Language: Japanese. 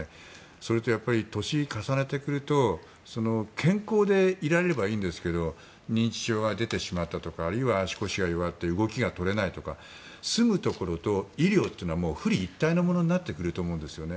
それとやっぱり年を重ねてくると健康でいられればいいですけど認知症が出てしまったとかあるいは足腰が弱って動きが取れないとか住むところと医療というのは一体になると思うんですね。